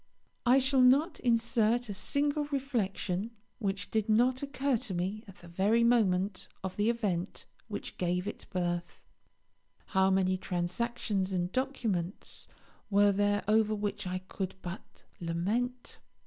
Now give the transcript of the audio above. I shall not insert a single reflection which did not occur to me at the very moment of the event which gave it birth. How many transactions and documents were there over which I could but lament!